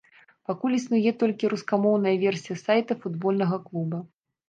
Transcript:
Пакуль існуе толькі рускамоўная версія сайта футбольнага клуба.